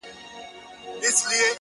ځکه چي ماته يې زړگی ويلی!!